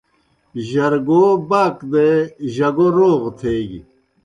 جرگو باک دے جگو روغ تھیگیْ۔